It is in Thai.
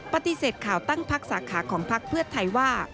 ปฏิเสธข่าวตั้งพักสาขาของพักเพื่อไทยว่า